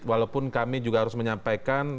walaupun kami juga harus menyampaikan